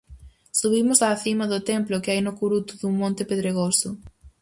Subimos á cima do templo que hai no curuto dun monte pedregoso.